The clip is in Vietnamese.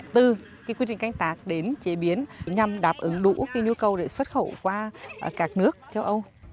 từ quy trình canh tác đến chế biến nhằm đáp ứng đủ nhu cầu để xuất khẩu qua các nước châu âu